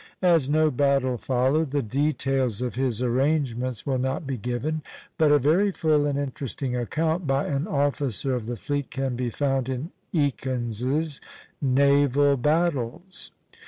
As no battle followed, the details of his arrangements will not be given; but a very full and interesting account by an officer of the fleet can be found in Ekins's "Naval Battles."